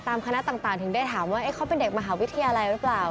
คณะต่างถึงได้ถามว่าเขาเป็นเด็กมหาวิทยาลัยหรือเปล่า